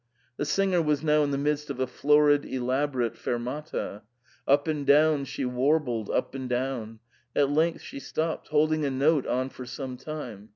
The singer was now in the midst of a florid, elaborate fermata. Up and down she warbled, up and down ; at length she stopped, holding a note on for some time.